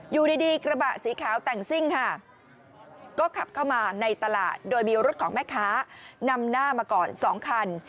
อยู่ดีกระบะสีขาวแต่งซิ่งค่ะก็ขับเข้ามาในตลาดโดยมีรถของแม่ค้านำหน้ามาก่อน๒คัน